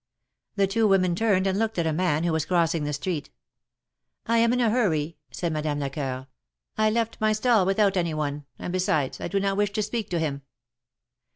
The two women turned and looked at a man who was crossing the street. I am in a hurry," said Madame Lecoeur, I left my stall without any one ; and, besides, I do not wish to speak to him."